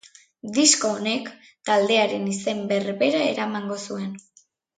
Disko honek, taldearen izen berbera eramango zuen.